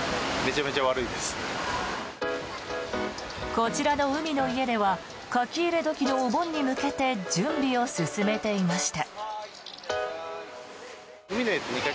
こちらの海の家では書き入れ時のお盆に向けて準備を進めていました。